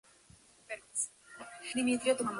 Pero Finn esconde un pasado turbio, oculto a todo el mundo.